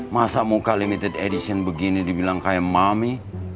masa muka limited edition begini dibilang kayak mami